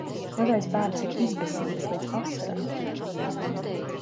Mazais bērns ir izbesījies līdz asarām.